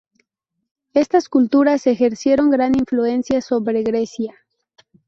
Estas culturas ejercieron gran influencia sobre Grecia.